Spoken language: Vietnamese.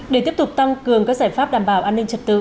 để tiếp tục tăng cường các giải pháp đảm bảo an ninh trật tự